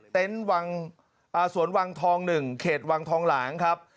เต็นต์วังสวนวังทอง๑เขตวังทองหลังครับ